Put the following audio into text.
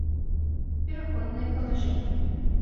Пераходныя палажэннi